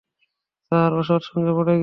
Sir, অসৎ সঙ্গে পড়ে গিয়েছে।